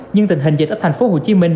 nhưng tình hình dịch ở thành phố hồ chí minh